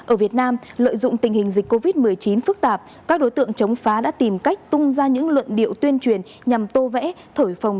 ở việt nam lợi dụng tình hình dịch covid một mươi chín phức tạp các đối tượng chống phá đã tìm cách tung ra những luận điệu tuyên truyền nhằm tô vẽ thổi phòng